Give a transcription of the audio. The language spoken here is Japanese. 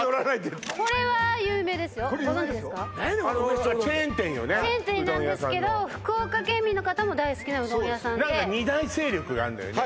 うどん屋さんのチェーン店なんですけど福岡県民の方も大好きなうどん屋さんで何か二大勢力があんのよね